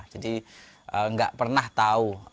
jadi nggak pernah tahu